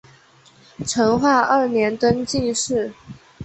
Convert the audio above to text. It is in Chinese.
成化二年登进士。